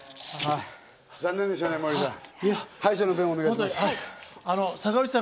残念でしたね、モーリーさん。